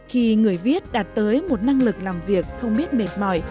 khi người viết đạt tới một năng lực làm việc không biết mệt mỏi